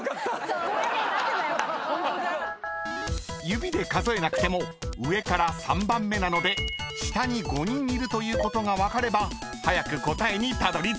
［指で数えなくても上から３番目なので下に５人いるということが分かれば早く答えにたどりつきます］